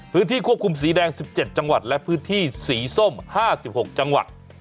พื้นที่ควบคุมสีแดง๑๗จังหวัดและพื้นที่สีส้ม๕๖จังหวัด